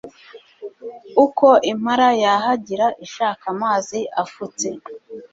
Uko impara yahagira ishaka amazi afutse